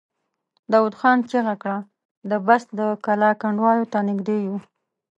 داوود خان چيغه کړه! د بست د کلا کنډوالو ته نږدې يو!